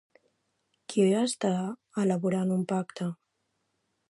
Qui està elaborant un pacte?